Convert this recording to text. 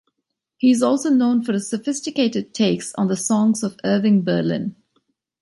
He is also known for his sophisticated takes on the songs of Irving Berlin.